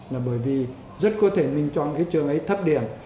là bởi vì rất có thể mình chọn cái trường ấy thấp điểm